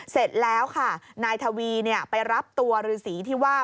เสร็จแล้วค่ะนายทวีไปรับตัวฤษีที่ว่า